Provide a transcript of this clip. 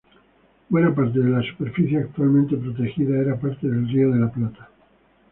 Buena parte de la superficie actualmente protegida era parte del Río de la Plata.